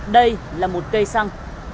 đây là một cây xăng